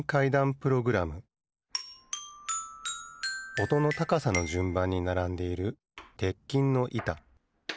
おとのたかさのじゅんばんにならんでいる鉄琴のいた。